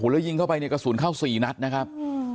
แล้วยิงเข้าไปเนี่ยกระสุนเข้า๔นัดนะครับ